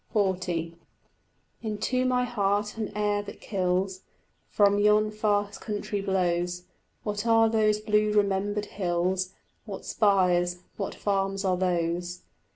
XL Into my heart an air that kills From yon far country blows: What are those blue remembered hills, What spires, what farms are those?